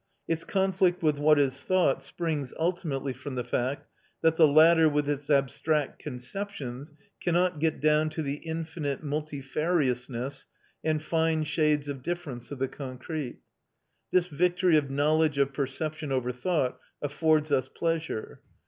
Its conflict with what is thought springs ultimately from the fact that the latter, with its abstract conceptions, cannot get down to the infinite multifariousness and fine shades of difference of the concrete. This victory of knowledge of perception over thought affords us pleasure.